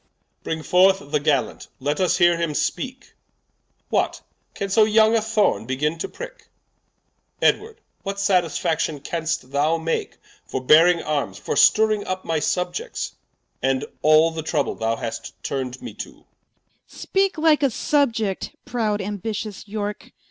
Enter the Prince. Edw. Bring forth the Gallant, let vs heare him speake. What? can so young a Thorne begin to prick? Edward, what satisfaction canst thou make, For bearing Armes, for stirring vp my Subiects, And all the trouble thou hast turn'd me to? Prince. Speake like a Subiect, prowd ambitious Yorke.